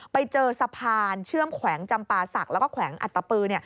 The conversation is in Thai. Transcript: ไปเจอสะพานเชื่อมแขวงจำปาศักดิ์แล้วก็แขวงอัตตปือ